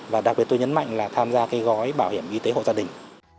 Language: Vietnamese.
và đặc biệt tôi nhấn mạnh là tham gia cái gói bảo hiểm y tế hộ gia đình